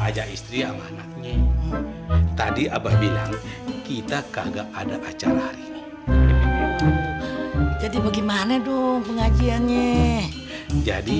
ajak istri sama anaknya tadi abah bilang kita kagak ada acara hari ini jadi bagaimana dong pengajiannya jadi